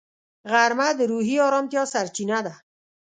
غرمه د روحي ارامتیا سرچینه ده